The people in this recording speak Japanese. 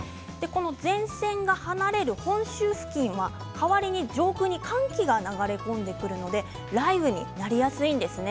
前線が離れる本州付近は代わりに上空に寒気が流れ込んでくるので雷雨になりやすいんですね。